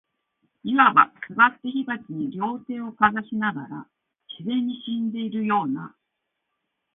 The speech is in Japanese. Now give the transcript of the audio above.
謂わば、坐って火鉢に両手をかざしながら、自然に死んでいるような、